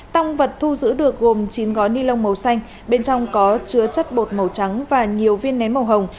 tăng vật thu giữ được gồm chín gói ni lông màu xanh bên trong có chứa chất bột màu trắng và nhiều viên nén màu hồng